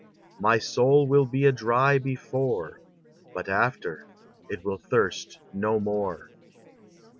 My soul will be a dry before, But after, it will thirst no more.